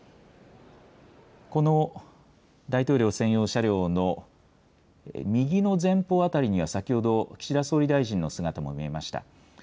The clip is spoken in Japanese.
この大統領専用車両の右の前方辺りには先ほど、岸田総理大臣の姿も見えました。